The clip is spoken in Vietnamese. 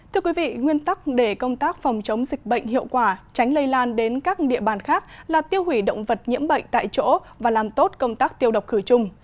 thưa quý vị nguyên tắc để công tác phòng chống dịch bệnh hiệu quả tránh lây lan đến các địa bàn khác là tiêu hủy động vật nhiễm bệnh tại chỗ và làm tốt công tác tiêu độc khử trùng